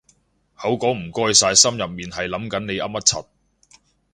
口講唔該晒心入面係諗緊你噏乜柒